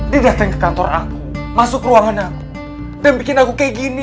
dia datang ke kantor aku masuk ruangan aku dan bikin aku kayak gini